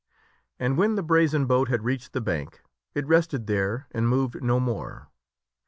And when the brazen boat had reached the bank it rested there and moved no more.